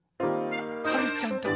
はるちゃんだ。